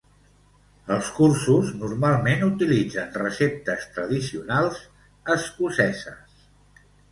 Els cursos normalment utilitzen receptes tradicionals escoceses.